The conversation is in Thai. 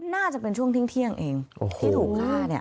น่าจะเป็นช่วงเที่ยงเองที่ถูกฆ่าเนี่ย